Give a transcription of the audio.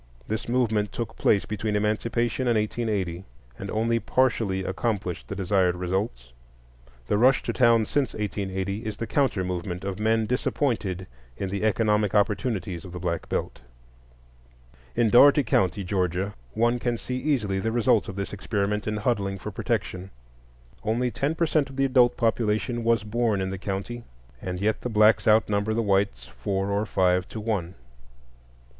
This movement took place between Emancipation and 1880, and only partially accomplished the desired results. The rush to town since 1880 is the counter movement of men disappointed in the economic opportunities of the Black Belt. In Dougherty County, Georgia, one can see easily the results of this experiment in huddling for protection. Only ten per cent of the adult population was born in the county, and yet the blacks outnumber the whites four or five to one.